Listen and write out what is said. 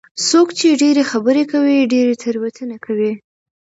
څوک چې ډېرې خبرې کوي، ډېرې تېروتنې کوي.